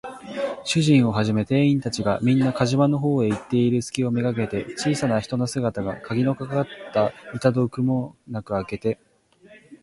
主人をはじめ店員たちが、みんな火事場のほうへ行っているすきをめがけて、小さな人の姿が、かぎのかかった板戸をくもなくあけて、